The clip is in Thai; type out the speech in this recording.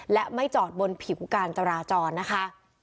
และไม่จอดบนผิวการจราจรนะคะ